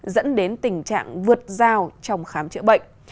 dẫn đến tình trạng vượt giao trong khám chữa bệnh